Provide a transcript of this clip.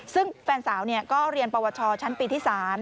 ซึ่งแฟนสาวก็เรียนประวัติศาสตร์ชั้นปีที่๓